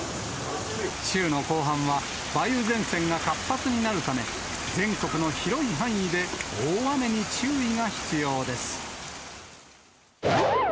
週の後半は、梅雨前線が活発になるため、全国の広い範囲で大雨に注意が必要です。